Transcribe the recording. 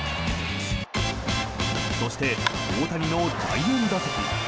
そして、大谷の第４打席。